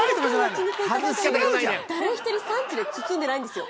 ◆誰１人、サンチュで包んでないんですよ。